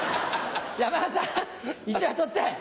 山田さん１枚取って。